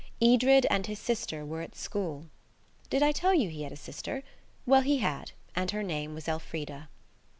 Edred and his sister were at school. (Did I tell you that he had a sister? Well, he had, and her name was Elfrida.)